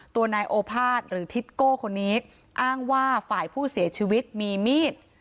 ตัวนายโอภาษหรือทิศโก้คนนี้อ้างว่าฝ่ายผู้เสียชีวิตมีมีด